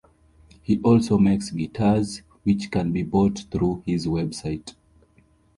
He also makes guitars, which can be bought through his website.